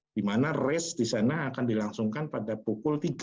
dimana race di sana akan dilangsungkan pada pukul tiga